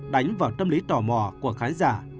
đánh vào tâm lý tò mò của khán giả